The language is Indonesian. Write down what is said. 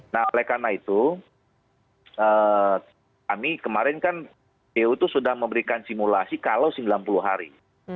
nah oleh karena itu kami kemarin kan pu itu sudah memberikan simulasi kalau sembilan puluh hari